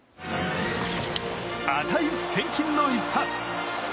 値千金の一発！